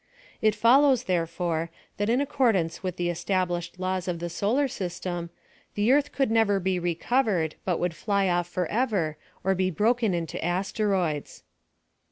It follows, therefore, that in accordance with the es tablished laws of tlu solar system, the earth cculd never be recovered, but would fly off forever, or be broken into asteroides.